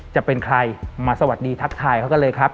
จะเป็นใครมาสวัสดีทักทายเขากันเลยครับ